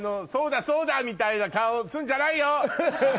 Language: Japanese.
そうだそうだみたいな顔するんじゃないよ。